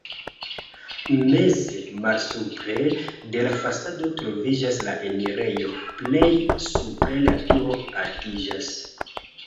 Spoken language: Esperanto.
Meze, malsupre de la fasado troviĝas la enirejo, plej supre la turo altiĝas.